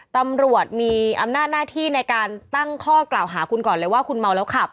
ตำรวจมีอำนาจหน้าที่ในการตั้งข้อกล่าวหาคุณก่อนเลยว่าคุณเมาแล้วขับ